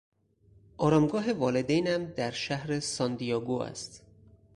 آرامگاه والدینم در شهر سان دیگو است.